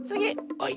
はい。